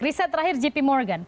riset terakhir jp morgan